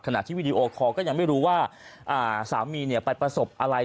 ขณะที่วีดีโอคอลก็ยังไม่รู้ว่าสามีไปประสบอะไร